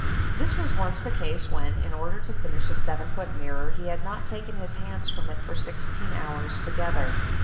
This was once the case when, in order to finish a 7 foot mirror, he had not taken his hands from it for sixteen hours together.